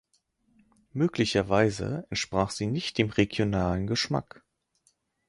Möglicherweise entsprach sie nicht dem regionalen Geschmack.